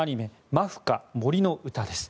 「マフカ森の歌」です。